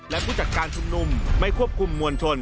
และผู้จัดการชุมนุมไม่ควบคุมมวลชน